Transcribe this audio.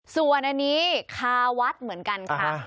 ส่วนอันนี้คาวัดเหมือนกันค่ะ